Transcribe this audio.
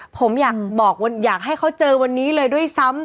ผมอยากให้เขาเจอวันนี้เลยด้วยซ้ำ